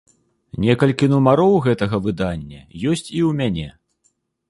Некалькі нумароў гэтага выдання ёсць і ў мяне.